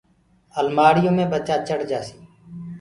المآڙيو مي ٻچآ چڙ جاسيٚ۔